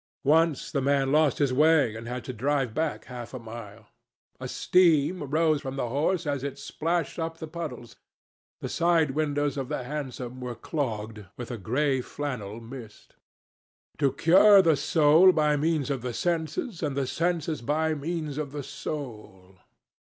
Once the man lost his way and had to drive back half a mile. A steam rose from the horse as it splashed up the puddles. The sidewindows of the hansom were clogged with a grey flannel mist. "To cure the soul by means of the senses, and the senses by means of the soul!"